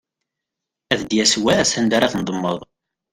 Ad d-yas wass anda ara tendemmeḍ.